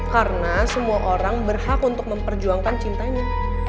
karena semua orang berhak untuk memperjuangkan cintanya